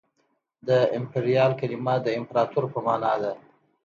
د امپریال کلمه د امپراطور په مانا ده